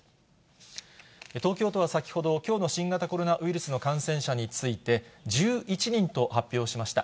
東京都は先ほど、きょうの新型コロナウイルスの感染者について、１１人と発表しました。